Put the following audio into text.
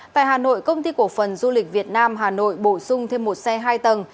tại hà nội công ty cổ phần du lịch việt nam hà nội bổ sung thêm một xe hai tầng